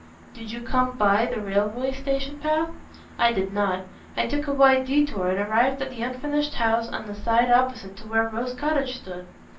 "Did you come by the railway station path?" "I did not. I took a wide detour and arrived at the unfinished house on the side opposite to where Rose Cottage stood."